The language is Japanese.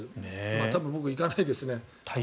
多分、僕は行かないですね。